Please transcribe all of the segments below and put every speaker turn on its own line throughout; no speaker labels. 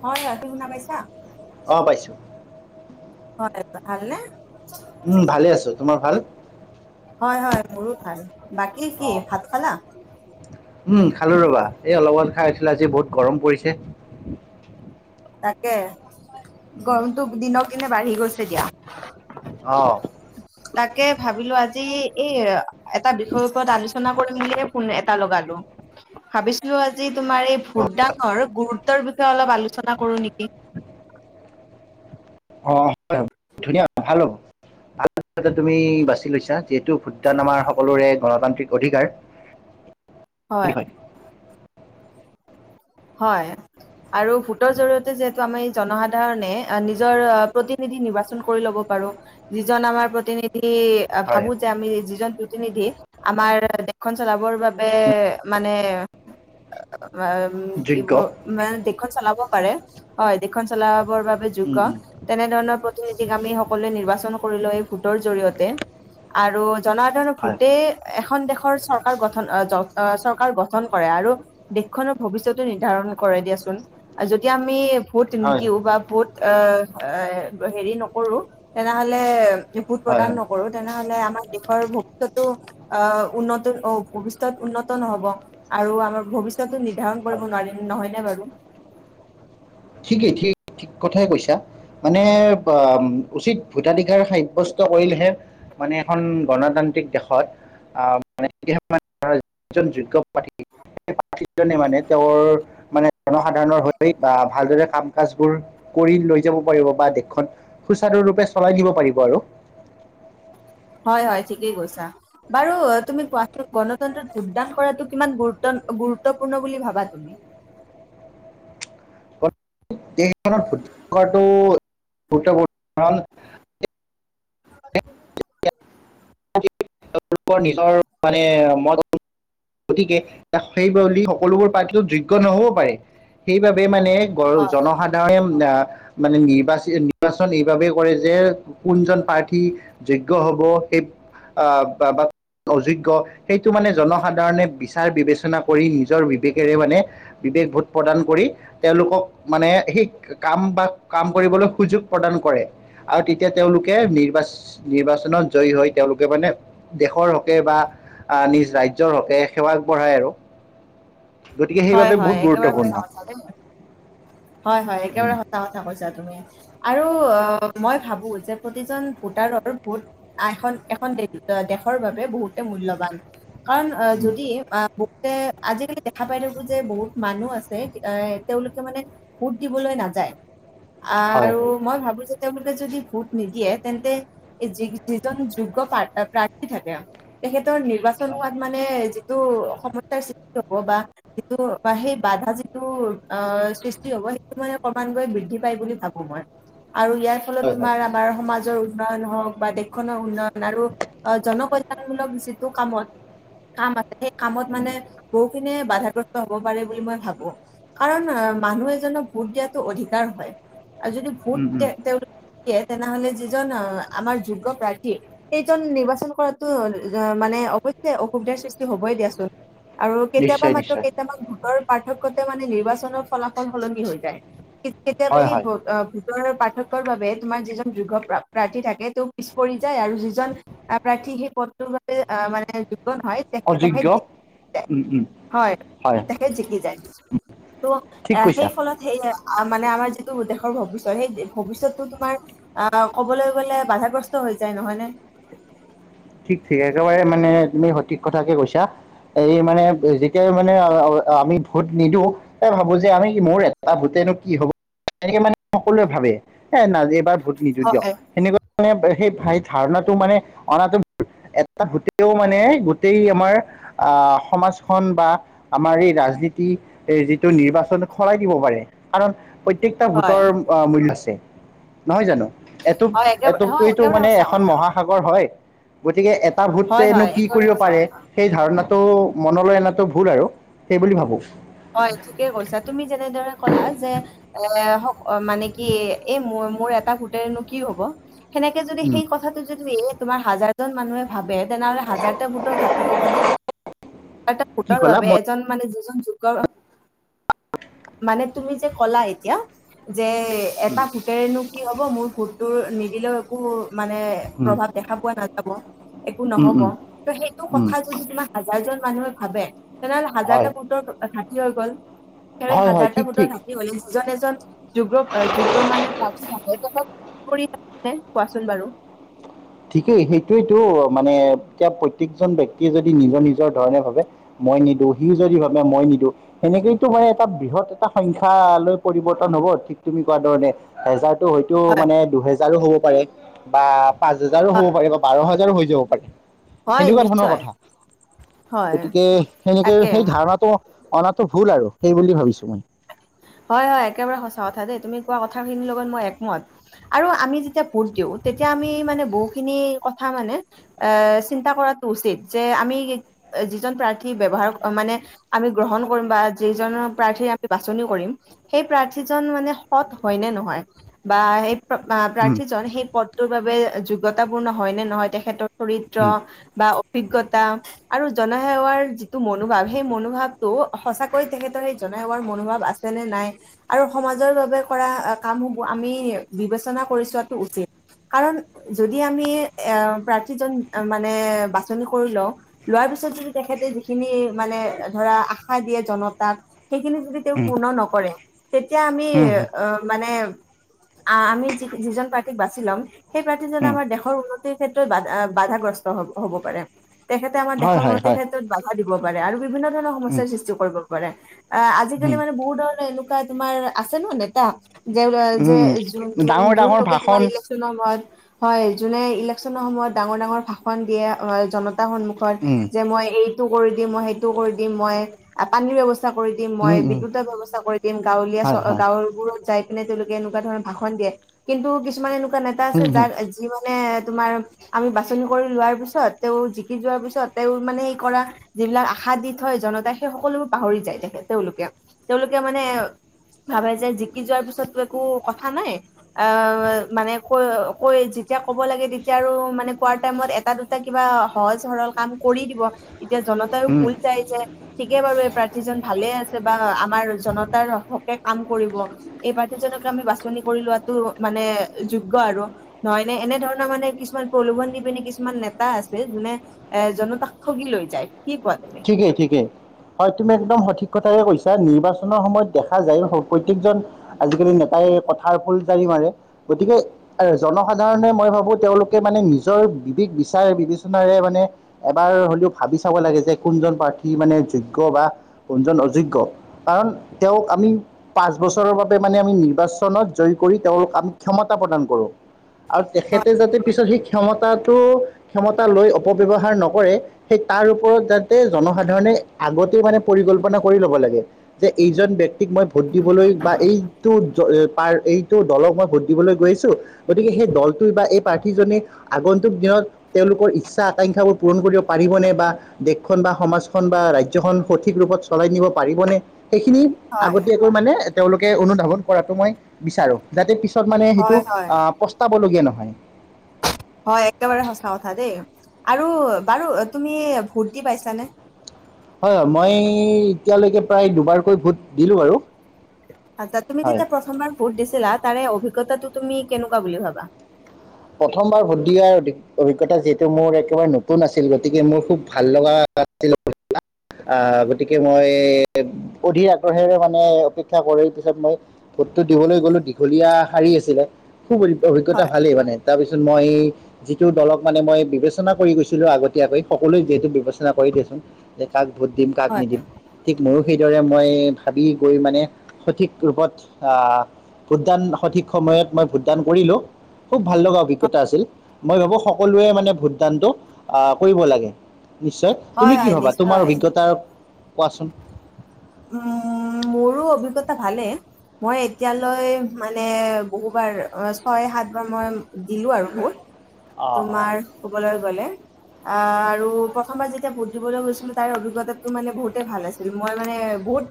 হয়-হয়, তুমি শুনা পাইছা?
অ পাইছো
হয়, ভালনে?
উম, ভালে আছো। তোমাৰ ভাল?
হয়-হয় মোৰো ভাল। বাকী কি
অ'
ভাত খালা?
উম, খালো ৰবা এই অলপ আগত। খাইছিলো আজি বহুত গৰম পৰিছে।
তাকে গৰমটো দিনক দিনে বাঢ়ি গৈছে দিয়া।
অ',
তাকে ভাবিলো আজি এই এটা বিষয়ৰ ওপৰত আলোচনা কৰি মেলিয়ে ফোন এটা লগালো। ভাবিছিলো আজি তোমাৰ এই
অ
ভোটদানৰ গুৰুত্বৰ বিষয়ে অলপ আলোচনা কৰো নেকি? [inaudible]
অ, হয় ধুনীয়া ভালো হব। তুমি বাছি লৈছা যিহেতু ভোটদান আমাৰ সকলোৰে গণতান্ত্ৰিক অধিকাৰ। বুলি হয়।
হয়, আৰু ভোটৰ জৰিয়তে যিহেতু আমাৰ জনসাধাৰণে নিজৰ প্ৰতিনি নিৰ্বাচন কৰি ল'ব পাৰো। যিজন আমাৰ প্ৰতিনিধি
হয়
ভাবো যে আমি যিজন প্ৰতিনিধি আমাৰ দেশখন চলাবৰ বাবে মানে উম, কি
যোগ্য
মান দেশ খন চলাব পাৰে। হয়, দেশখন চলা বৰ বাবে যোগ্য,
উম উম
তেনেধৰণৰ প্ৰতিনিধিক আমি সকলোৱে নিৰ্বাচন কৰিলৈ ভোটৰ জৰিয়তে। আৰু জনসাধাৰণক
হয়
ভোটে এ এখন দেশৰ চৰকাৰ গঠন চৰকাৰ গঠন কৰে। আৰু দেশখনৰ ভৱিষ্যত টো নিৰ্ধাৰণ কৰে দিয়াচোন। যদি আমি ভোট
হয়
নিদিও বা ভোট এ এ হেৰি নকৰো, তেনেহলে ভোট
হয়
প্ৰদান নকৰো তেনেহলে আমাৰ দেশৰ ভৱিষ্যত অ, উন্নত অ, ভৱিষ্যত উন্নত নহব আৰু আমাৰ, ভৱিষ্যত নিৰ্ধাৰণ
হয়
কৰিব নোৱাৰিম নহয় নে বাৰু।
ঠিকেই, ঠিক-ঠিক কথাই কৈছা। মানে অ, উচিত ভোটাধিকাৰ সাব্যস্ত কৰিলেহে মানে এখন গণতান্ৰ, গণতান্ত্ৰী দেশত যোগ্য প্ৰাৰ্থী। স প্ৰাৰ্থীজনে মানে তেওঁৰ মানে জনসাধাৰণৰ হৈ বা ভালদৰে কাম-কাজবোৰ কৰি লৈ যাব পাৰিব। বা দেশখন সুচাৰুৰূপে চলাই দিব পাৰিব আৰু।
[inaudible] হয় হয়, ঠিকেই কৈছা। বাৰু তুমি কোৱাটো গণতন্ত্ৰত যোগদান কৰাটো কিমান গুৰুত্ব গুৰুত্বপূৰ্ণ বুলি ভাবা তুমি।
দেশ এখনত ভোটদান কৰাটো গুৰুত্বপূৰ্ণ। কাৰণ
[inaudible]
নিজৰ মানে ম গতিকে সেই বুলি সকলোবোৰ প্ৰাৰ্থীও যোগ্য নহ'ব পাৰে। সেইবাবে মানে
হয়
জনসাধাৰণেও মানে নিৰ্বাচ নিৰ্বাচন এইবাবেই কৰে যে কোনজন প্ৰাৰ্থী যোগ্য হ'ব বা অযোগ্য সেইটো মানে জন সাধাৰণে বিচাৰ-বিবেচনা কৰি নিজৰ বিবেকেৰে মানে বিবেক ভোট প্ৰদান কৰি তেওঁলোকক মানে সেই কাম বা কাম কৰিবলৈ সুযোগ প্ৰদান কৰে। আৰু তেতিয়া তেওঁলোকে নিৰ্বাচ নিৰ্বাচনত জয়ী হৈ তেওঁলোকে মানে দেশৰ হকে বা আহ নিজ ৰাজ্যৰ হকে সেৱা আগবঢ়ায় আৰু। গতিকে
হয়
সেইবাবে
হয়,
বহুত
একেবাৰে
গুৰুত্বপূৰ্ণ
সঁচা কথা দেই। হয় হয়, একেবাৰে
উম,
সঁচা কথা কৈছা তুমি। আৰু অ', মই ভাবো যে প্ৰতিজন ভোটাৰৰ ভোট এখন এখন দেশৰ বাবে বহুতে মূল্যবান। কাৰণ
উম,
যদি বহুতে আজিকালি দেখা পাই থাকো যে বহুত মানুহ আছে এ তেওঁলোকে মানে ভোট দিবলৈ নাযায়।
হয়
আৰু
হয়
মই ভাবো যে তেওঁলোকে যদি ভোট নিদিয়ে তেন্তে যি যিজন যোগ্য প্ৰা প্ৰাৰ্থী থাকে তেখেতৰ নিৰ্বাচন হোৱাত মানে যে টো সমস্যাৰ সৃষ্টি হ'ব বা যিটো বা সেই বাধা যিটো অ', সৃষ্টি হ'ব সেইটো মানে ক্ৰমান্বয়ে বৃদ্ধি পাই বুলি ভা আৰু ইয়াৰ ফলত
হয় হয়
তোমাৰ আমাৰ সমাজৰ উন্নয়ন হওক বা দেশখনৰ উন্নয়ন আৰু অ', জনকল্যাণমূলক যিটো কামত কাম আছে সেই কামত মানে
উম,
বহুখিনি বাধা হ'ব পাৰে বুলি মই ভাবো। কাৰণ মানুহ এজনক ভোট দিয়াতটো অধিকাৰ হয়। আৰু যদি ভোট
উম,
তে
উম,
তেওঁলোকে দিয়ে তেনেহ'লে যিজন আমাৰ যোগ্য প্ৰাৰ্থী সেইজন নিৰ্বাচন কৰাতো মানে ছে অসুবিধাৰ সৃষ্টি হ'বই দিয়াচোন। আৰু কেতিয়াবা
নিশ্চয়
মাত্ৰ
নিশ্চয়
কেইটামান ভোটৰ পাৰ্থক্যতে মানে নিৰ্বাচনৰ ফলাফল সলনি হৈ যায়।
হয় হয়
কেতিয়াবা পাৰ্থক্যৰ বাবে তোমাৰ যিজন যোগ্য প্ৰাৰ্থী থাকে তেওঁ পিছ পৰি যায় আৰু যিজন প্ৰা সেই হেই পথটোৰ বাবে আহ মানে যোগান হয় তেখেত
অযোগ্য উম, উম,
হয়, তেখেত জিকি যায় তো
ঠিক কৈছা
সেই ফলত সেয়া মানে আমাৰ যিটো দেশৰ ভৱিষ্যৎ সেই ভৱিষ্যতটো তোমাৰ অ', ক'বলৈ গ'লে বাধাগ্ৰস্ত হৈ যায় নহয় ন
ঠিক ঠিক একেবাৰে মানে তুমি সঠিক কথাকে কৈছা এই মানে যেতিয়া মানে আমি ভোট নিদিওঁ তাই ভাবো যে আমি মোৰ এটা ভোটে কি হব তেনেকে মানে সকলোৱে ভাবে এ ন এইবাৰ ভোট নিদি দিয়ক
হয়
সেনেকুৱা মানে সেই সেই ধাৰণাটো মানে অনাটো
[inaudible]
এটা গোটেও মানে গোটেই আমাৰ আহ সমাজখন বা আমাৰ এই ৰাজনীতি এ যিটো নিৰ্বাচন সৰাই দিব পাৰে কাৰণ পপ্ৰত্যেকটা
হয়
ভোটৰ মূল আছে। নহয় জানো? এটুপ
হয় একেবাৰে হয়
এটুপকৈতো
একেবাৰে
মানে
সঁচা
এখন
কথা
মহাসাগৰ হয়। গতিকে এটা
হয়
ভোটনো
হয়
কি
একেবাৰে
কৰিব
সঁচা
পাৰে
কথা
সেই ধাৰণাত তটো মনলৈ এনাটো ভুল আৰু সেই বুলি ভাবো
হয় ঠিকে কৈছা তুমি যেনেদৰে ক'লা যে এ অ মানে কি এই মোৰ মোৰ এটা গোটনো কি হব সেনেকে যদি
উম,
সেই কথাটো যদিম তোমাৰ হাজাৰজন মানুহে ভাবে তেনেহলে হাজাৰটা ভোটৰ ঘাটি হ'ব ন হাজাৰ
কি
ভোটৰ
ক'লা
বাবে
মই
এজন মানে য [unintelligible] মানে তুমি যে কলা এতিয়াৰ যে
উম,
এটা ভোটেৰেনো কি হ'ব মোৰ ভোটটো নিদিলেও একো মানে
উম,
প্ৰভাৱ দেখা পোৱা নাযাব। একো
উম,
নহব
উম,
ত সেইটো
উম,
কথা যদি তোমাৰ হাজাৰ জন মানুহে ভাবে তেনেহলে
হয়
হাজাৰটা ভোটৰ ঘাঁটি হৈ গল, স
হয় হয়
হাজাৰটা
ঠিক ঠিক
ভোটৰ ঘাটি হলে যিজন এজন যোগ যোগ্য মানে [unintelligible] কোৱাচোন বাৰু।
ঠিকেই সেইটোয়েতো মানে এতিয়া প্ৰত্যেকজন ব্যক্তিয়ে যদি নিজৰ নিজৰ ধৰণে ভাবে মই নিদিওঁ, ই যদি ভাৱে মই নিদিওঁ, সেনেকেটো এটা বৃহৎ এটা সংখ্যালৈ পৰিৱৰ্তন হব। ঠিক তেনেকুৱা ধৰণে হেজাৰ টো হয়তো
হয়
মানে দুহেজাৰো হব পাৰে, বা পাঁচ হেজাৰো হব পাৰে বা বাৰ হৈ যাব পাৰে।
হয়
সেনেকুৱা ধৰণৰ
নিশ্চয়
কথা,
হয়
গতিকে সেনেকে
তাকে
সেই ধাৰণাটো অনাাটো ভুল আৰু সেই বুলি ভাবিছো মই।
[inaudible] হয় হয় একেবাৰে সঁচা কথা দেই তুমি কোৱা কথাখিনিৰ লগত মই একমত আৰু আমি যেতিয়া ভোট দিওঁ তেতিয়া তেতিয়া আমি মানে বহুখিনি কথা মানে চিন্তা কৰাটো উচিত, যে আমি যিজন প্ৰাৰ্থী ব্যৱহাৰ মানে আমি গ্ৰহণ কৰিম বা যিজন প্ৰাৰ্থীৰ আমি বাছনি কৰিম সেই প্ৰাৰ্থীজন মানে সৎ হয় নে নহয় বা সেই
উম
প্ৰাৰ্থীজন সেই পদটোৰ বাবে যোগ্যতাপূৰ্ণ হয় নে নহয় তেখেতৰ চৰিত্ৰ
উম
বা অভিজ্ঞতা আৰু জনসেৱাৰ যিটো মনোভাৱ সেই মনোভাৱটো সঁচাকৈয়ে তেখেতৰ সেই জনসেৱাৰ মনোভাৱ আছে নে নাই আৰু সমাজৰ বাবে কৰা কামসম আমি বিবেচনা কৰি ছো টো উচিত। কাৰণ যদি আমি এ প্ৰাৰ্থীজন মানে বাছনি কৰি লও, লোৱাৰ [unintelligible] যদি তেখেতে যিখিনি মানে ধৰা আশা দিয়ে জনতাক সেইখিনি যদি তেওঁ
উম
পূৰ্ণ নকৰে তেতিয়া আমি
উম হম
অ মানে আ আমি যি যিজন প্ৰাৰ্থীক বাচি ল'ম সেই প্ৰাৰ্থীজনে
উম
আমাৰ দেশৰ উন্নতিৰ ক্ষেত্ৰত বাধা বাধাগ্ৰস্ত হব হব পাৰে। তেখেতে আমাৰ
হয়
দেশৰ
হয়
উন্নতিৰ
হয়
ক্ষেত্ৰত বাধা দিব পাৰে আৰু বিভিন্ন ধৰণৰ
উম
সমস্যাৰ সৃষ্টি কৰিব পাৰে। আ আজিকালি
উম
মানে বহুত ধৰণৰ এনেকুৱা তোমাৰ আছে ন নেতা। যে অ যে
উম
যোন
উম
যোন
ডাঙৰ ডাঙৰ
যোনলোকে তোমাৰ
ভাষণ
ইলেকচনৰ সময়ত হয়, যোনে ইলেকশ্যনৰ সময়ত ডাঙৰ - ডাঙৰ ভাষণ দিয়ে, অ জন তাৰ সন্মুখত
উম
যে মই এইটো কৰি দিম, মই সেইটো কৰি দিম, মই আ পানীৰ ব্যৱস্থা কৰি দিম মই
উম উম
বিদ্যুতৰ ব্যৱস্থা কৰি দিম, গাঁৱলীয়া চ
হয়
অ
হয়
গাঁৱবোৰত যায় এনে তেওঁলোকে এনেকা ধৰণৰ ভাষণ দিয়ে কিন্তু কিছুমান এনেকুৱা নেতা আছে
হুম হুম
যাক এ যিমা নে তোমাৰ আমি বাচনি কৰি লোৱাৰ পিছত তেওঁ জিকি যোৱাৰ পিছত তেওঁ মানে এই কৰা যিবিলাক আশা দি থয় জনতাই সেই সকলোবোৰ পাহৰি যায় তে এ তেওঁলোকে, তেওঁলোকে মানে ভাবে যে জিকি যোৱাৰ পিছত একো কথা নাই, আ মানে কয় কয় যেতিয়া ক'ব লাগে তেতিয়া আৰু মানে পোৱাৰ টাইমত এটা, দুটা কিবা সহজ-সৰল কাম কৰি দিব। তেতিয়া জনতায়ো
হুম
ভুল যায় যায়, ঠিকেই বাৰু এই প্ৰাৰ্থীজন ভালে আছে বা আমাৰ জনতাৰ হ হকে কাম কৰিব এই প্ৰাৰ্থীজনকে আমি বাছনি কৰি লোৱা টো মানে যোগ্য আৰু নহয় নে? এনে ধৰণৰ মানে কিছুমান প্ৰলোভন নিপিনী কিছুমান নেতা আ ছে যোনে এ জনতাক ঠগি লৈ যায়। কি কোৱা তুমি?
ঠিকেই ঠিকেই, হয় তুমি একদম সঠিক কথাই কৈছা, নিৰ্বাচনৰ সময়ত দেখা যায় হ প্ৰত্যেকজন আজিকালি নেতাই কথাৰ ফুল জাৰি গতিকে জনসাধাৰণে মই ভাবো তেওঁলোকে মানে নিজৰ বিবেক বিচাৰে বিবেচনা। মানে এবাৰ হ'লেও ভাবি চাব লাগে যে কোনজন প্ৰাৰ্থী মানে যোগ্য বা কোনজন অযোগ্য কাৰণ তেওঁক আমি পাচ,। বছৰৰ বাবে মানে আমি নিৰ্বাচনত জয় কৰি তেওঁল আমি ক্ষমতা প্ৰদান কৰোঁ। আৰু
হয়
তেখেতে যাতে পিছত শিক্ষ। ক্ষমতাটো ক্ষমতা লৈ অপব্যৱহাৰ নকৰে সেই তাৰ ওপৰত য জনসাধাৰণে আগতে মানে পৰিকল্পনা কৰি ল'ব লাগে, যে এইজন ব্যক্তিক মই ভোট দিবলৈ। বা এইটো, এইটো দলক মই ভোট দিবলৈ গৈ আছো গতিকে সেই দলটোৱ বা, প্ৰ আগন্তুক দিনত তেওঁলোকৰ ইচ্ছা আকাংক্ষাবোৰ পূৰণ কৰিব পাৰিবনে বা,। খ বা সমাজখন বা ৰাজয়খন সঠিক ৰূপত চলাই নিব পাৰিবনে? সেইখিনি
হয়
আগতীয়াকৈ মানে তেওঁলোকে অনুধাৱন কৰাতটো মই বিচাৰো যাতে পি,। মানে সেইটো
হয় হয়
পস্তাবলগীয়া নহয়!
[inaudible] হয় একেবাৰে সচা কথা দেই আৰু বাৰু তুমি ভূত দি পাইছানে?
হয়, হয় মই এতিয়ালৈকে প্ৰায় দুবাৰকৈ ভোট দিলোঁ বাৰ।
আচছা তুমি যেতিয়া প্ৰথমবাৰ ভোট দিছিলা তাৰে অভিজ্ঞতাটো তুমি কেনেকুৱা বুলি ভাবা?
প্ৰথমবাৰ ভট দিয়াৰ অভিজ্ঞতা যিহেতু মোৰ একেবাৰে নতুন আছিল গতিকে মোৰ খুব ভাল লগা,। [inaudible] আহ গতিকে মই অধিৰ আগদ্ৰহেৰে মানে অপেক্ষা কৰি পিছত মই,। ভটটো দিবলৈ গ'লো দীঘলীয়া শাৰী আছিলে খুব অভিজ্ঞতা
হয়
ভালেই মানে তাৰপিছত মই যিটো দলক মানে মই বিবেচনা কৰি গৈছিলো আগতীয়াকৈ সকলোৱে যিহেতু বিবেচনা কৰি। ন যে কাক ভোট দিম, কাক
হয়
নিদিম ঠিক ময়ো সেইদৰে। মই ভাবি গৈ মানে সঠিক ৰূপত আহ ভোটদান সঠিক সময়ত মই ভোটদান কৰিলো খুব ভাল লগা অভিজ্ঞতা আছিল মই ভাবো সকলোৱে মানে ভোটদানটো আহ কৰিব লাগে নিশ্চয় তুমি
হয়
কি
হয়
ভাবা তোমাৰ
নিশ্চয়
অভিজ্ঞতা কোৱাচোন
উম মোৰ অভিজ্ঞতা ভালে মই এতিয়ালৈ মান বহু বাৰ ছয় সাত বাৰ মই দিলো আৰু ভোট
অ অ
তোমাৰ কবলৈ গ'লে আৰু প্ৰথমবাৰ যেতিয়া ভোট দিবলৈ গৈছিলো তাৰ অভিজ্ঞতাটো মানে বহুতেই ভাল আছিল মই মানে বহুত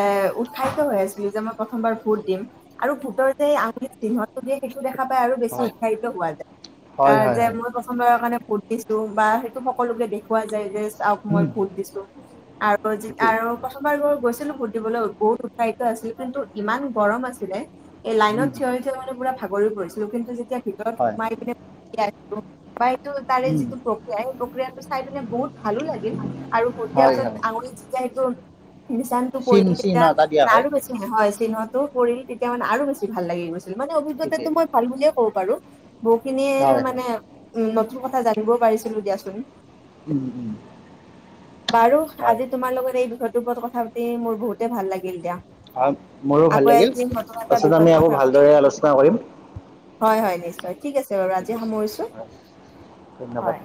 এ উৎসাহিত হৈ আছিলো যে মই প্ৰথমবাৰ ভোট দিম আৰু ভোটৰ যে এই আঙুলি [unintelligible] সেইটো দেখা পাই আৰু বেছি
হয়
উৎসাহিত হোৱা যায়
হয়
আহ
হয়
যে
হয়
মই প্ৰথমবাৰৰ কাৰণে দিছু বা সেইটো সকলোকে দেখুউৱা যায় যে চাওক মই
উম
ভোট দিছো আৰু যে
ঠিকেই
আৰু প্ৰথম গৈছিলো ভোট দিবলে বহুত উৎসাহিত আছিল কিন্তু ইমান গৰম আছিলে এই লাইনত
উম
থিয়ৰি থিয়ৰি পুৰা ভাগৰি পৰিছিলো কিন্তু যেতিয়া ভিতৰত
হয়
সোমাই কিনে [unintelligible] পাই টো তাৰে
উম
যিটো প্ৰক্ৰিয়া সেই প্ৰক্ৰিয়াটো চাই পিনে বহুত ভালো লাগিল আৰু দিয়াৰ
হয়
পিছত
হয়
আঙুলিত যেতিয়া সেটো নিচাণতো
চিন
পৰিল
চিন
তেতিয়া
এটা দিয়া
মানে
হয়
আৰু বেছি হয় চিহ্নটো পৰিল তেতিয়া মানে আৰু বেছি ভাল লাগি গৈছ ছিল মানে
ঠিকেই
অভিজ্ঞতাটো মই ভাল বুলিয়ে ক'ব পাৰো বহুখিনিয়ে
হয় হয়
মানে উম নতুন কথা জানিবও পাৰিছিলো দিয়াচোন
উম উম
বাৰু
হয়
আজি তোমাৰ লগত এই বিষয়টোৰ ওপৰত কথা পাতি মোৰ বহুতে ভাল লাগিল দিয়া
আ মোৰো
আকৌ
ভাল লাগিল
এদিন নতুন এটা
পাছত
বিষয়ত
আমি আকৌ
কথা পাতিম
ভালদৰে আলোচনা কৰিম
হয় হয় নিশ্চয় ঠিক আছে বাৰু আজি সামৰিছো
হয়, ধন্যবাদ
হয়।